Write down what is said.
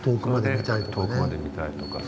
遠くまで見たいとかね。